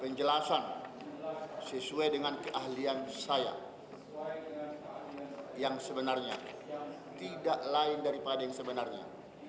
penjelasan sesuai dengan keahlian saya yang sebenarnya tidak lain daripada yang sebenarnya